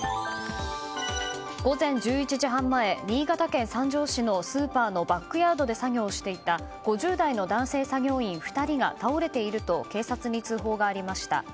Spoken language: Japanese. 午前１１時半前新潟県三条市のスーパーのバックヤードで作業していた５０代の男性作業員２人が倒れていると警察に通報がありました。